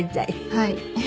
はい。